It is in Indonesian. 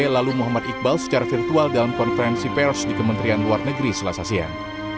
lalu muhammad iqbal secara virtual dalam konferensi pers di kementerian luar negeri selasa siang